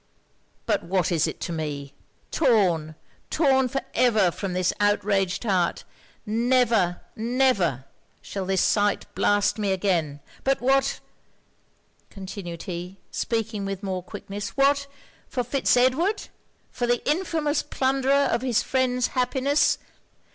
But what is it to me? Torn torn for ever from this outraged heart never, never shall this sight blast me again! But what?' continued he, speaking with more quickness, 'what? for Fitz Edward! for the infamous plunderer of his friend's happiness!